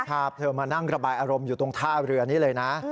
พาเธอมานั่งระบายอารมณ์อยู่ตรงท่าเรือนี้เลยนะ